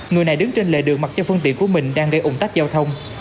người này đứng trên lề đường mặc cho phương tiện của mình đang gây ủng tắc giao thông